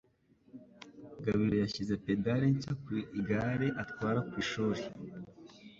Gabiro yashyize pedale nshya ku igare atwara ku ishuri.